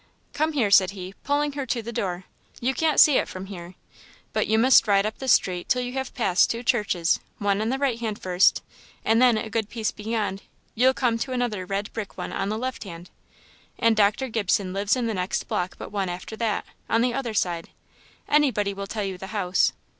"Come here," said he, pulling her to the door "you can't see it from here; but you must ride up the street till you have passed two churches, one on the right hand first, and then, a good piece beyond, you'll come to another red brick one on the left hand and Dr. Gibson lives in the next block but one after that, on the other side anybody will tell you the house.